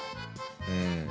うん。